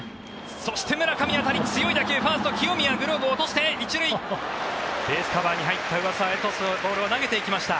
そして村上強い当たりファースト、清宮グローブを落として１塁、ベースカバーに入った上沢へボールを投げていきました。